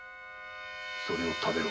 それを食べろ。